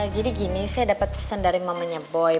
jadi gini saya dapat pesan dari mamanya boy